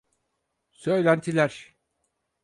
Söylentiler.